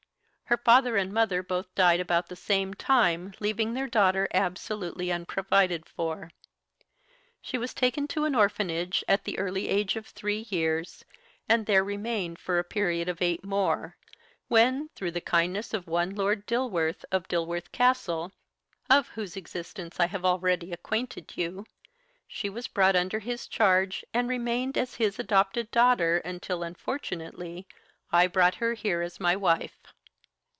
Her father and mother both died about the same time, leaving their daughter absolutely unprovided for. She was taken to an orphanage at the early age of three years, and there remained for a period of eight more, when, through the kindness of one Lord Dilworth, of Dilworth Castle, of whose existence I have already acquainted you, she was brought under his charge, and remained as his adopted daughter until, unfortunately, I brought her here as my wife.